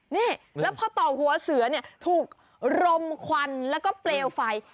นี่แล้วพอต่อหัวเสือเนี่ยถูกรมควันแล้วก็เปลวไฟ